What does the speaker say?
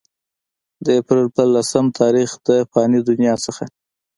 د اپريل پۀ لسم تاريخ د فاني دنيا نه